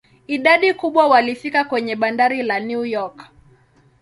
Idadi kubwa walifika kwenye bandari la New York.